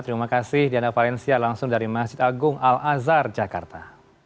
terima kasih diana valencia langsung dari masjid agung al azhar jakarta